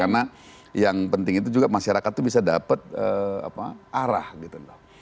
karena yang penting itu juga masyarakat itu bisa dapat arah gitu loh